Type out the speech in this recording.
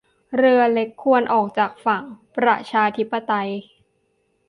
เรือเล็กควรออกจากฝั่ง ประชาธิปัตย์